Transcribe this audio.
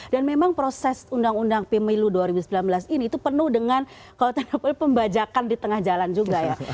dan memang proses undang undang pemilu dua ribu sembilan belas ini itu penuh dengan kalau tidak salah pembajakan di tengah jalan juga ya